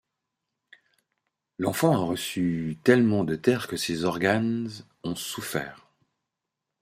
L'enfant a reçu tellement de terre que ses organes ont souffert.